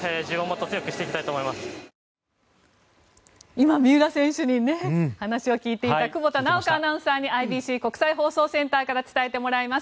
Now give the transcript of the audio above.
今、三浦選手に話を聞いていた久保田直子アナウンサーにＩＢＣ・国際放送センターから伝えてもらいます。